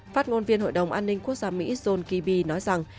phát ngôn viên hội đồng an ninh quốc gia mỹ john kibby nói rằng